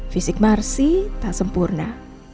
fisik marsi tak sempurna